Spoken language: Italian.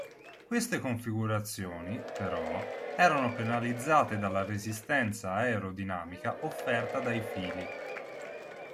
Queste configurazioni, però, erano penalizzate dalla resistenza aerodinamica offerta dai fili.